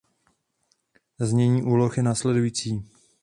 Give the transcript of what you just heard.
Znění úloh je následující.